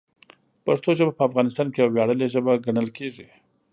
پښتو ژبه په افغانستان کې یوه ویاړلې ژبه ګڼل کېږي.